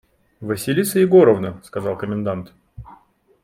«Василиса Егоровна! – сказал комендант.